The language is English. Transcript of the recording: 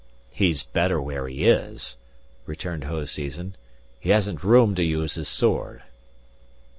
"He's better where he is," returned Hoseason; "he hasn't room to use his sword."